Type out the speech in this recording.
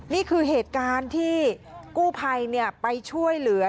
นี่คือเหตุการณ์ที่กู้ภัยไปช่วยเหลือ